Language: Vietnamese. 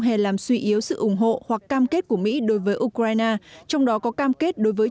hề làm suy yếu sự ủng hộ hoặc cam kết của mỹ đối với ukraine trong đó có cam kết đối với